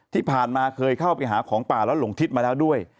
ที่ผ่านมาเคยเข้าไปหาของป่าแล้วหลงทิศมาแล้วด้วย